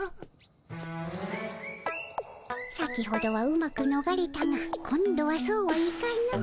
先ほどはうまくのがれたが今度はそうはいかぬ。